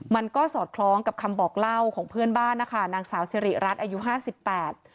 มันก็สอดคล้องกับคำบอกเล่าของเพื่อนบ้านนะคะนางสาวสิริรัตน์อายุห้าสิบแปด